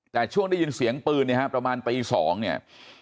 แต่ช่วงได้ยินเสียงปืนเนี่ยฮะประมาณตี๒เนี่ย